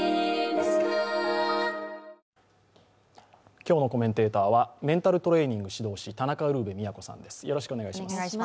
今日のコメンテーターはメンタルトレーニング指導士、田中ウルヴェ京さんです。